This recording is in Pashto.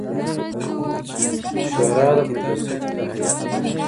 شوري د مجلسـینو د هیئـت د